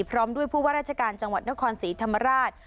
พร้อมด้วยผู้ว่าราชการจังหวัดนครศรีธรรมราช